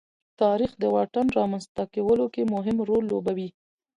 تاریخ د واټن رامنځته کولو کې مهم رول لوبوي.